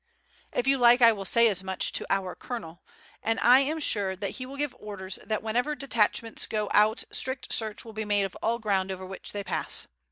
If you like I will say as much to our colonel, and I am sure that he will give orders that whenever detachments go out strict search will be made of all ground over which they pass.